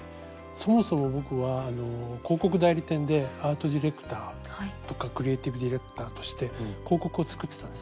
そもそも僕は広告代理店でアートディレクターとかクリエイティブディレクターとして広告を作ってたんですね。